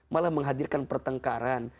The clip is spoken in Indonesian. malah menghadirkan pertengkaran